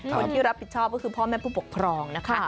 คนที่รับผิดชอบก็คือพ่อแม่ผู้ปกครองนะคะ